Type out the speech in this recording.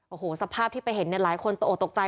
โอ้โหสภาพที่ไปเห็นหลายคนโต๊ะตกใจ